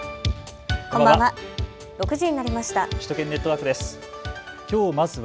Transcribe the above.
こんばんは。